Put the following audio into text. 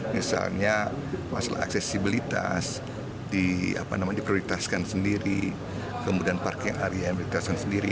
misalnya masalah aksesibilitas di prioritaskan sendiri kemudian parking area yang prioritaskan sendiri